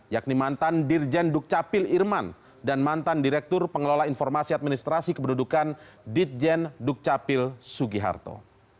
yakni mantan dirjen dukcapil irman dan mantan direktur pengelola informasi administrasi kependudukan ditjen dukcapil sugiharto